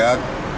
ya bisa juga